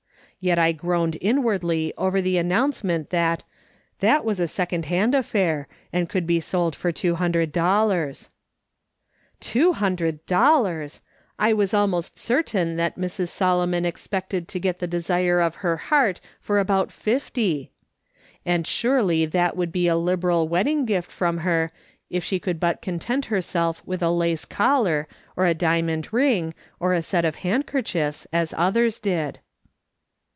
Yet I groaned inwardly over the announcement that " that was a second hand affair, and could be sold for two hundred dollars." Two hundred dollars ! I was almost certain that Mrs. Solomon expected to get the desire of her heart MEDlTA TIONS THA T MEANT SOME THlXG. 2t3 for about fifty ! And surely that would be a liberal wedding gift from her, if she could but content her self with a lace collar, or a diamond ring, or a set of handkerchiefs, as others did.